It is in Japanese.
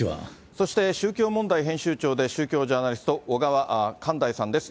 そして、宗教問題編集長で、宗教ジャーナリスト、小川寛大さんです。